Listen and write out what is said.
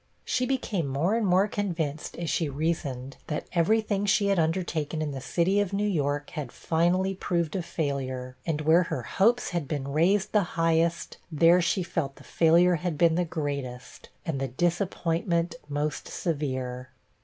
She became more and more convinced, as she reasoned, that every thing she had undertaken in the city of New York had finally proved a failure; and where her hopes had been raised the highest, there she felt the failure had been the greatest, and the disappointment most severe.